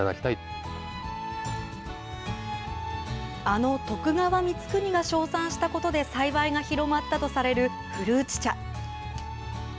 あの徳川光圀が称賛したことで栽培が広まったとされる古内茶。